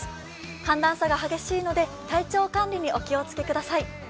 寒暖差が激しいので体調管理にお気をつけください。